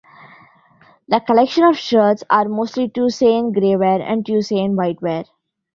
The collection of sherds are mostly Tusayan Gray Ware and Tusayan White Ware.